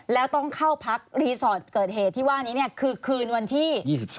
แล้วต้องเข้าพักรีสอร์ทเกิดเหตุที่ว่านี้คือคืนวันที่๒๒